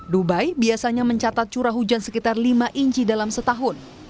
dubai biasanya mencatat curah hujan sekitar lima inci dalam setahun